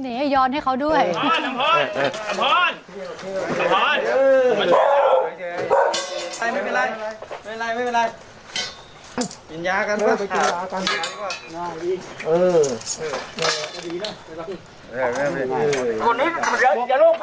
นี่ให้ย้อนให้เขาด้วยอัมพรอัมพร